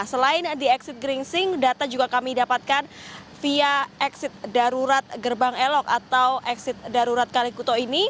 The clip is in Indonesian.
selain di eksit geringsing data juga kami dapatkan via eksit darurat gerbang elok atau eksit darurat kalikuto